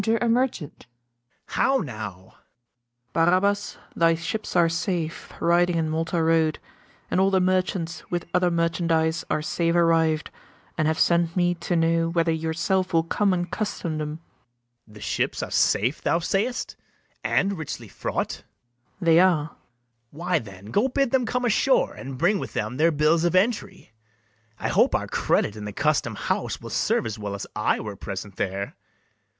Enter a MERCHANT. How now! MERCHANT. Barabas, thy ships are safe, Riding in Malta road; and all the merchants With other merchandise are safe arriv'd, And have sent me to know whether yourself Will come and custom them. BARABAS. The ships are safe thou say'st, and richly fraught? MERCHANT. They are. BARABAS. Why, then, go bid them come ashore, And bring with them their bills of entry: I hope our credit in the custom house Will serve as well as I were present there.